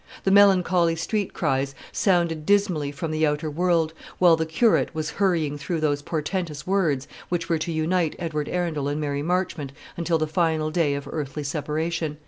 The melancholy street cries sounded dismally from the outer world, while the curate was hurrying through those portentous words which were to unite Edward Arundel and Mary Marchmont until the final day of earthly separation.